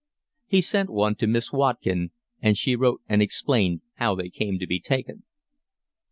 He sent one to Miss Watkin, and she wrote and explained how they came to be taken.